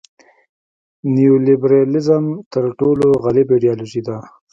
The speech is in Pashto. نیولیبرالیزم تر ټولو غالبه ایډیالوژي ده.